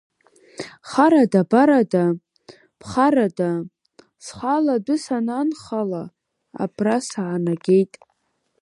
Харада-барада, ԥхарада, схала адәы сананхала, абра саанагеит.